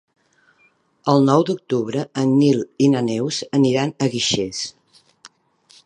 El nou d'octubre en Nil i na Neus aniran a Guixers.